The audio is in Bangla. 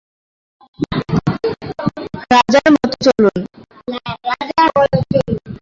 রাজার মতো চলুন।